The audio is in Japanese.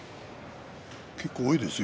結構多いですよ。